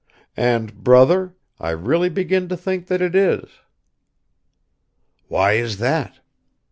And brother, I really begin to think that it is." "Why is that?"